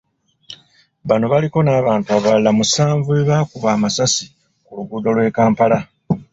Bano baliko n’abantu abalala musanvu be baakuba amasasi ku luguudo lw'e Kampala.